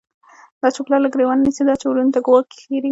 دا چی پلار له گریوان نیسی، دا چی وروڼو ته گوا ښیږی